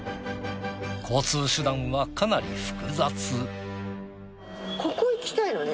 交通手段はかなり複雑。